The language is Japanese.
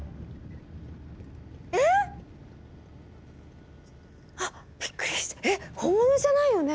えっ？びっくりした本物じゃないよね？